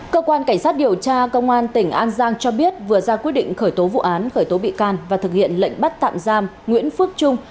cơ quan cảnh sát điều tra công an tỉnh an giang cho biết vừa ra quyết định khởi tố vụ án khởi tố bị can và thực hiện lệnh bắt tạm giam nguyễn phước trung